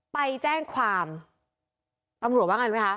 ไปแจ้งความตำรวจว่าไงรู้ไหมคะ